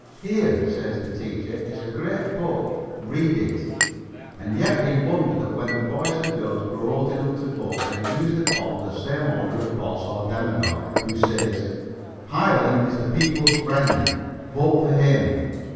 "Here," says the teacher, "is a great book. Read it." And yet we wonder that when the boys and girls grow old enough to vote they usually follow the same order of boss or demagogue, who says, "Hylan is the people's friend; vote for him."